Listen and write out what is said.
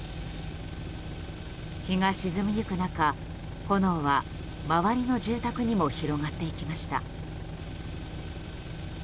日が沈みゆく中、炎は周りの住宅にも広がっていきました。